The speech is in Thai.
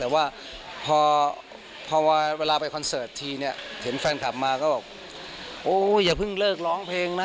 เห็นแฟนคลับมาก็ว่าโอ๊ยอย่าเพิ่งเลิกร้องเพลงนะ